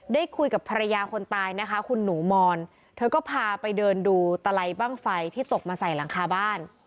ได้คุยกับภรรยาคนตายนะคะคุณหนูมอนเธอก็พาไปเดินดูตะไลบ้างไฟที่ตกมาใส่หลังคาบ้าน